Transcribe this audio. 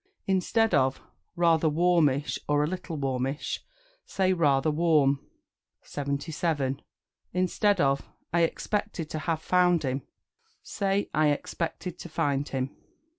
Instead of "Rather warmish" or "A little warmish," say "Rather warm." 77. Instead of "I expected to have found him," say "I expected to find him."